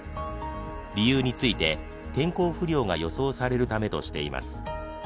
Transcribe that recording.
理由について、天候不良が予想されるためとしています。